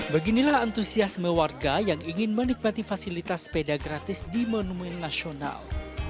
beginilah antusiasme warga yang ingin menikmati fasilitas sepeda gratis di monumen nasional